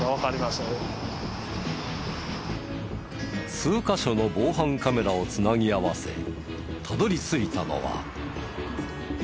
数カ所の防犯カメラを繋ぎ合わせたどり着いたのは。